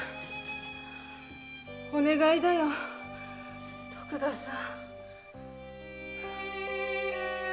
お願いだよ徳田さん。